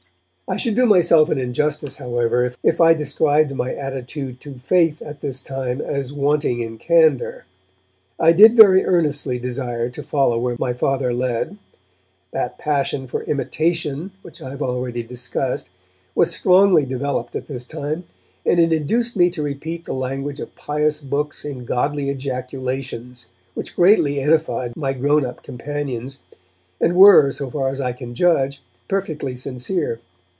I should do myself an injustice, however, if I described my attitude to faith at this time as wanting in candour. I did very earnestly desire to follow where my Father led. That passion for imitation, which I have already discussed, was strongly developed at this time, and it induced me to repeat the language of pious books in godly ejaculations which greatly edified my grown up companions, and were, so far as I can judge, perfectly sincere.